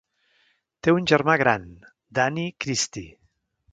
Té un germà gran, Danny Christie.